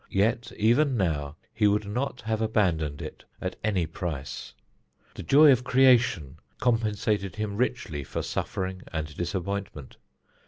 Yet even now he would not have abandoned it at any price; the joy of creation compensated him richly for suffering and disappointment.